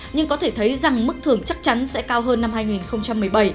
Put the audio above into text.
nhưng có thể thấy rằng mức thưởng chắc chắn sẽ cao hơn năm hai nghìn một mươi bảy